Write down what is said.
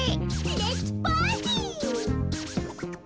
レッツパーティー！